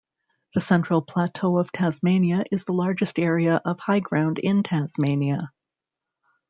The Central Plateau of Tasmania is the largest area of high ground in Tasmania.